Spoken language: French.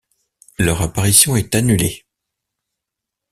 Leur apparition est annulée.